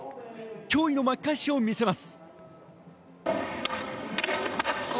驚異の巻き返しを見せます。